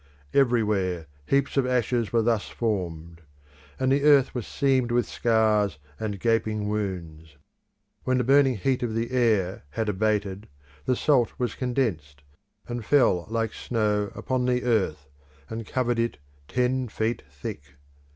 Everywhere heaps of ashes were thus formed, and the earth was seamed with scars and gaping wounds. When the burning heat of the air had abated, the salt was condensed, and fell like snow upon the earth, and covered it ten feet thick.